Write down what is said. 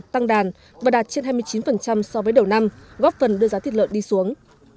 tăng đàn và đạt trên hai mươi chín so với đầu năm góp phần đưa giá thịt lợn đi xuống